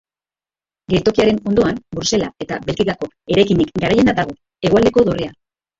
Geltokiaren ondoan, Brusela eta Belgikako eraikinik garaiena dago Hegoaldeko Dorrea.